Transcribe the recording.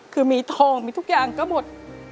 คือมีทองมีทุกอย่างก็หมด